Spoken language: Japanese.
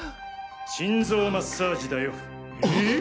心臓マッサージだよ。え？